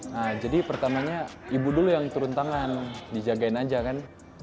nah jadi pertamanya ibu dulu yang turun tangan dijagain aja kan